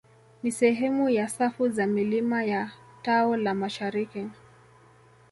Ni sehemu ya safu za milima ya tao la mashariki